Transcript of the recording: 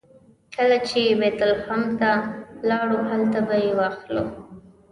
کله چې بیت لحم ته لاړو هلته به یې واخلو.